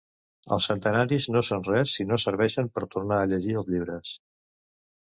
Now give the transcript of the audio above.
Els centenaris no són res si no serveixen per tornar a llegir els llibres.